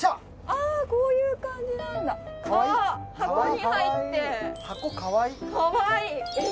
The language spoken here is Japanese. あこういう感じなんだあっ箱に入ってカワイイ